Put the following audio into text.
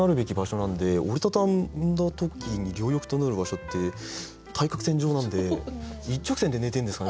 なんで折り畳んだ時に両翼となる場所って対角線上なんで一直線で寝てるんですかね